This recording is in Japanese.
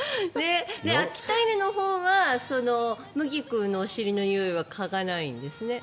秋田犬のほうは麦君のお尻のにおいは嗅がないんですね。